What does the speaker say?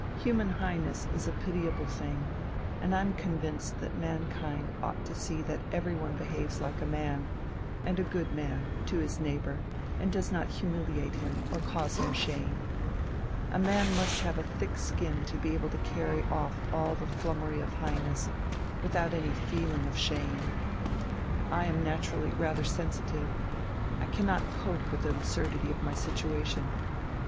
Human Highness is a pitiable thing, and I'm convinced that mankind ought to see that everyone behaves like a man, and a good man, to his neighbour and does not humiliate him or cause him shame. A man must have a thick skin to be able to carry off all the flummery of Highness without any feeling of shame. I am naturally rather sensitive, I cannot cope with the absurdity of my situation.